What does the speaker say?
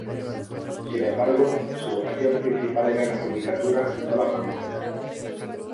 Sin embargo, su vocación principal era la judicatura y no la política.